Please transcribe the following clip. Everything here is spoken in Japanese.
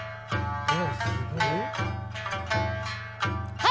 はい。